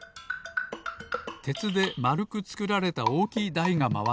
てつでまるくつくられたおおきいだいがまわっています。